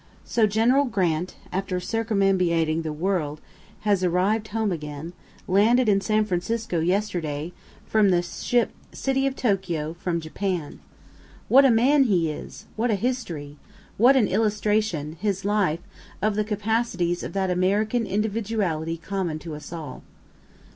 So General Grant, after circumambiating the world, has arrived home again, landed in San Francisco yesterday, from the ship City of Tokio from Japan. What a man he is! what a history! what an illustration his life of the capacities of that American individuality common to us all.